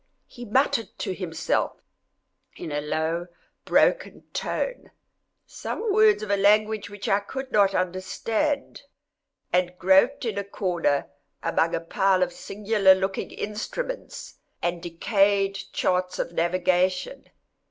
He muttered to himself, in a low broken tone, some words of a language which I could not understand, and groped in a corner among a pile of singular looking instruments, and decayed charts of navigation.